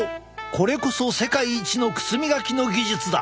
これこそ世界一の靴磨きの技術だ！